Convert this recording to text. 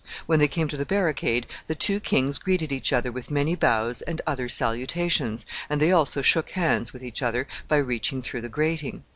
When they came to the barricade, the two kings greeted each other with many bows and other salutations, and they also shook hands with each other by reaching through the grating.